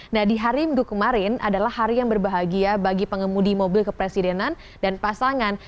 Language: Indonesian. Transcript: nah di hari minggu kemarin adalah hari yang berbahagia bagi pengemudi mobil kepresidenan dan pasangan